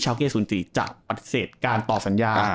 เก้๐๔จะปฏิเสธการต่อสัญญา